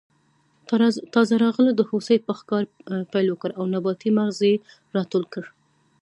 تازه راغلو د هوسۍ په ښکار پیل وکړ او نباتي مغز یې راټول کړل.